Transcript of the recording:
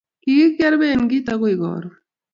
kikier benkit akoi karon